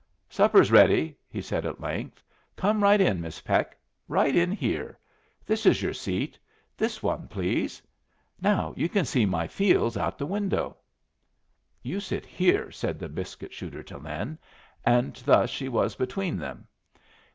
"Supper's ready," he said, at length. "Come right in, Miss Peck; right in here. This is your seat this one, please. Now you can see my fields out of the window." "You sit here," said the biscuit shooter to Lin; and thus she was between them.